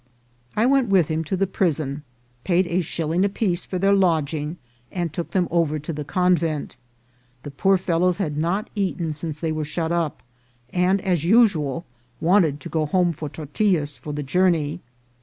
I went with him to the prison, paid a shilling apiece for their lodging, and took them over to the convent. The poor fellows had not eaten since they were shut up, and, as usual, wanted to go home for tortillas for the journey.